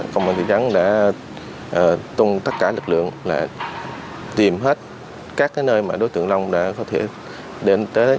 công an thị trắng đã tung tất cả lực lượng là tìm hết các nơi mà đối tượng long đã có thể đến tới